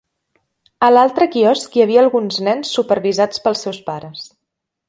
A l'altre quiosc hi havia alguns nens supervisats pels seus pares.